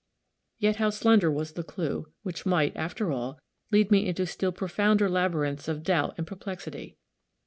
Yet, how slender was the clue, which might, after all, lead me into still profounder labyrinths of doubt and perplexity!